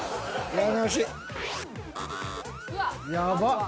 やばっ。